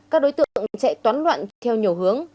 các đối tượng chạy toán loạn theo nhiều hướng